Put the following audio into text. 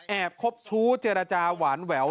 คบชู้เจรจาหวานแหวว